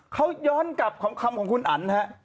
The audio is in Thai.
เขาย้อนกลับคำของคุณอันฮะ